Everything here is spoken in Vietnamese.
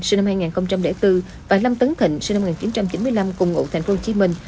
sinh năm hai nghìn bốn và lâm tấn thịnh sinh năm một nghìn chín trăm chín mươi năm cùng ngụ thành phố hồ chí minh